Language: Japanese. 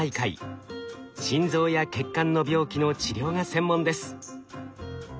心臓や血管の病気の治療が専門です。